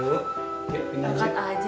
besok siang papa anterin deh